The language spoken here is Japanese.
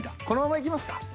このままいきますか？